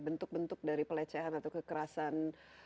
bentuk bentuk dari pelecehan atau kekerasan